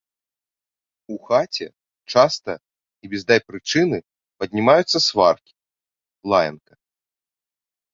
У хаце часта і без дай прычыны падымаюцца сваркі, лаянка.